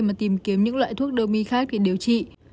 mà tìm kiếm những loại thuốc đô mi khác để điều trị